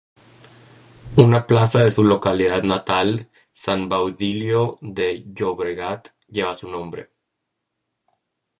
Una plaza de su localidad natal, San Baudilio de Llobregat, lleva su nombre.